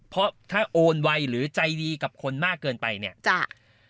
เพราะถ้าโอนไวหรือใจดีกับคนมากเกินไปเนี่ย